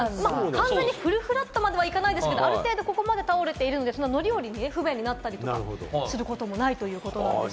完全にフルフラットまではいかないんですが、ある程度のところまで倒れてるんですが、乗り降りが不便になったりすることもないそうです。